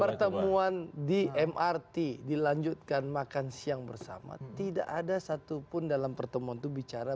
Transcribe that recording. pertemuan di mrt dilanjutkan makan siang bersama tidak ada satupun dalam pertemuan itu bicara